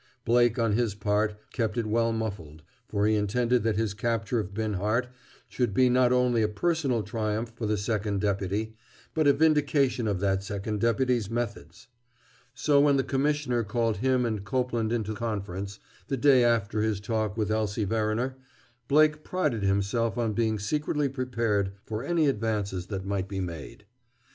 Blake, on his part, kept it well muffled, for he intended that his capture of Binhart should be not only a personal triumph for the Second Deputy, but a vindication of that Second Deputy's methods. So when the Commissioner called him and Copeland into conference, the day after his talk with Elsie Verriner, Blake prided himself on being secretly prepared for any advances that might be made.